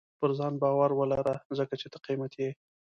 • پر ځان باور ولره، ځکه چې ته قیمتي یې.